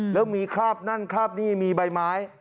แล้วมีคราบนั่นคราบนี่มีใบไม้